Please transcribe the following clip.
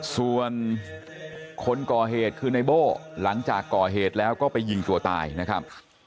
ส่วนคนก่อเหตุคือในโบ้หลังจากก่อเหตุแล้วก็ไปยิงตัวตายนะครับ